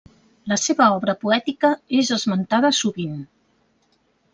La seva obra poètica és esmentada sovint.